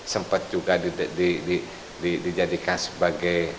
sempat juga dijadikan sebagai